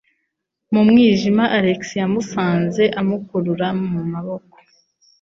Mu mwijima, Alex yamusanze amukurura mu maboko.